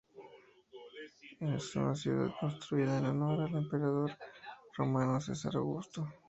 Es una ciudad construida en Honor al emperador Romano Cesar Augusto.